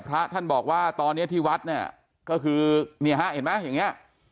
พระท่านบอกว่าตอนนี้ที่วัดเนี่ยก็คือเนี่ยฮะเห็นไหมอย่างนี้